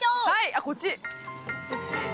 あっこっち。